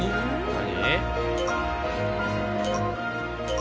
何？